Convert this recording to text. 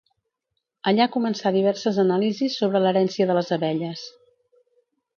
Allà començà diverses anàlisis sobre l'herència de les abelles.